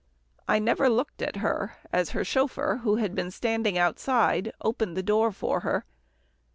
I never looked at her as her chauffeur, who had been standing outside, opened the door for her.